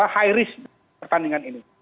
high risk pertandingan ini